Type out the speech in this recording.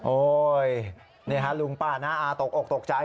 นี่ฮะลุงป้าน้าอาตกอกตกใจ